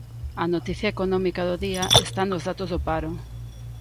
A noticia económica do día está nos datos do paro.